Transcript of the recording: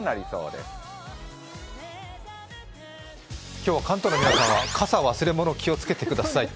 今日は関東の皆さんは、傘忘れ物、気をつけてください。